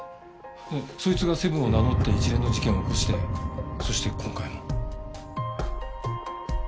そいつがセブンを名乗って一連の事件を起こしてそして今回も。